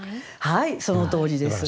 はいそのとおりです。